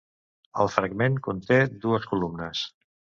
El fragment conté dues columnes.